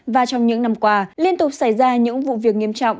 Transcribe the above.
và trong những năm qua liên tục xảy ra những vụ việc nghiêm trọng